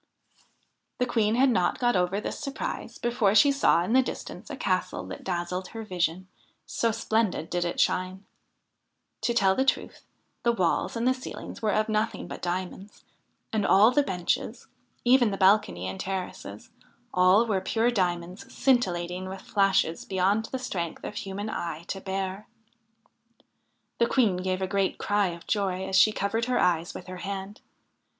The Queen had not got over this surprise before she saw in the distance a castle that dazzled her vision, so splendid did it shine. To tell the truth, the walls and the ceilings were of nothing but diamonds, and all the benches even the balcony and terraces all were pure diamonds scintillating with flashes beyond the strength of human eyes to bear. The Queen gave a great cry of joy as she covered her eyes with her hand.